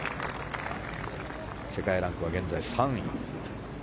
世界ランクは現在、３位。